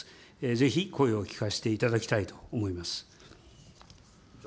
ぜひ、声を聞かせていただきたいと思います。